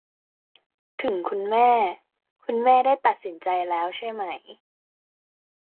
ถึงคุณแม่ คุณแม่ได้ตัดสินใจแล้วใช่ไหม ?